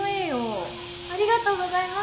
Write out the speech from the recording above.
ありがとうございます。